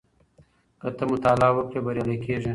که ته مطالعه وکړې بریالی کېږې.